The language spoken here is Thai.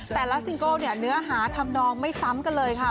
ซิงเกิลเนี่ยเนื้อหาทำนองไม่ซ้ำกันเลยค่ะ